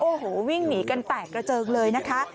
โอ้โหวิ่งหนีกันแตกกระเจิงเลยนะคะ